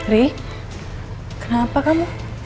rih kenapa kamu